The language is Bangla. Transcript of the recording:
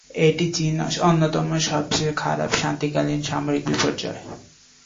এটি চীন অন্যতম সবচেয়ে খারাপ শান্তিকালীন সামরিক বিপর্যয়।